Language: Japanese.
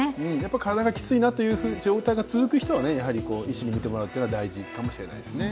体がきついなという状態が続く人はやはり医師に診てもらうっていうのは大事かもしれないですね。